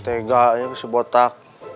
tega ini si botak